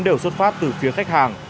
đều xuất phát từ phía khách hàng